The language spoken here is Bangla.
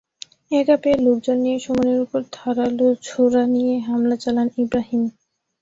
একা পেয়ে লোকজন নিয়ে সুমনের ওপর ধারালো ছোরা নিয়ে হামলা চালান ইব্রাহিম।